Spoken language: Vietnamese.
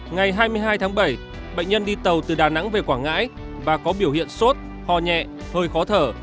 ngày hai mươi hai tháng bảy bệnh nhân đi tàu từ đà nẵng về quảng ngãi và có biểu hiện sốt ho nhẹ hơi khó thở